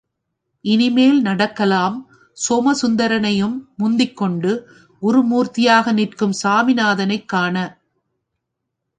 இனிமேல் நடக்கலாம் சோமசுந்தரனையும் முந்திக்கொண்டு குரு மூர்த்தியாக நிற்கும் சாமிநாதனைக் காண.